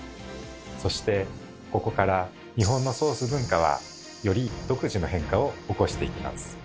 そしてここから日本のソース文化はより独自の変化を起こしていきます。